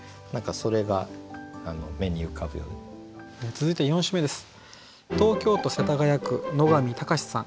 続いて４首目です。